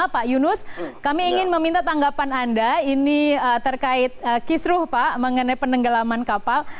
pak yunus kami ingin meminta tanggapan anda ini terkait kisruh pak mengenai penenggelaman kapal